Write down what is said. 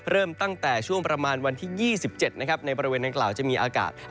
เริ่มตั้งแต่ช่วงประมาณวันที่๒๗นะครับในบริเวณดังกล่าวจะมีอากาศ